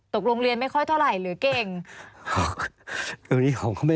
ตกลงเรียนไม่ค่อยเท่าไหร่หรือเก่ง